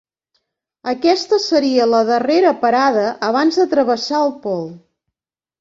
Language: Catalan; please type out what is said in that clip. Aquesta seria la darrera parada abans de travessar el pol.